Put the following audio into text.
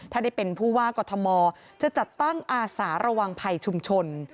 ถ้าได้เป็นผู้ว่ากอทมจะจัดตั้งอาสาระวังภัยชุมชน